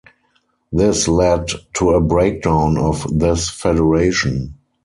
This led to a breakdown of this federation.